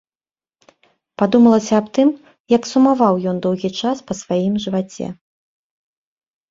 Падумалася аб тым, як сумаваў ён доўгі час па сваім жываце.